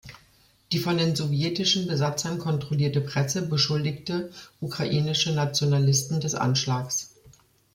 Die von den sowjetischen Besatzern kontrollierte Presse beschuldigte ukrainische Nationalisten des Anschlags.